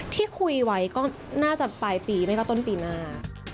ที่คุยไว้ก็น่าจะปลายปีไม่ก็ต้นปีหน้า